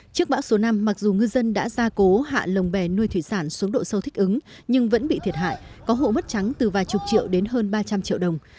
trước bão số năm mặc dù ngư dân đã ra cố hạ lồng bè nuôi thủy sản xuống độ sâu thích ứng nhưng vẫn bị thiệt hại có hộ mất trắng từ vài chục triệu đến hơn ba trăm linh triệu đồng